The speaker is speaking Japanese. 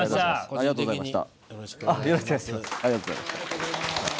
ありがとうございます。